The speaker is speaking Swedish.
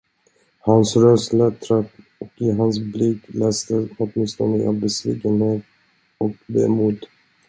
Hans röst lät trött, och i hans blick läste åtminstone jag besvikenhet och vemod.